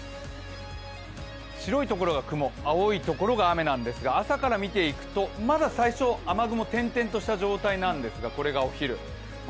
白いところが雲、青いところが雨なんですが、朝から見ていくとまだ最初雨雲が点々としているんですがこれがお昼。